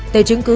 tờ chứng cứ